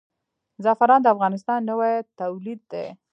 زعفران د افغانستان نوی تولید دی.